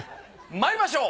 まいりましょう！